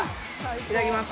いただきます。